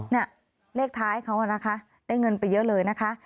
เนี่ยเลขท้ายเขานะคะได้เงินไปเยอะเลยนะคะ